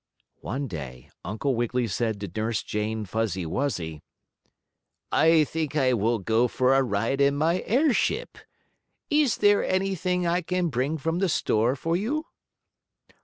One day Uncle Wiggily said to Nurse Jane Fuzzy Wuzzy: "I think I will go for a ride in my airship. Is there anything I can bring from the store for you?"